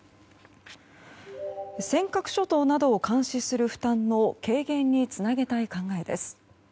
尖閣諸島などを監視する負担の軽減につなげたい考えです。